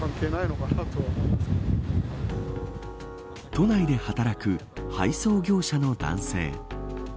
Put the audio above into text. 都内で働く配送業者の男性。